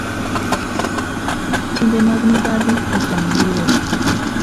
Timbe mag mibadhi opong ' gi yore